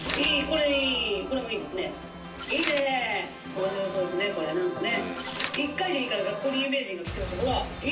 「面白そうですねこれなんかね」